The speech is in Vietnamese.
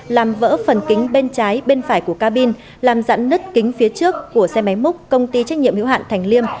làm vỡ phần kính bên trái bên phải của cabin làm dặn nứt kính phía trước của xe máy múc công ty trách nhiệm hữu hạn thành liêm